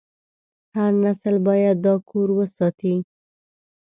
هر نسل باید دا کور وساتي.